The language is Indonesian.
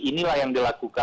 inilah yang dilakukan